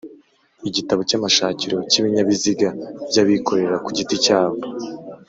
igitabo cy'amashakiro y'ibinyabiziga by'abikorera ku giti cyabo